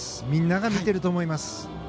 みんなが見ていると思います。